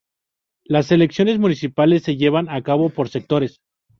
Las elecciones municipales se llevan a cabo por sectores.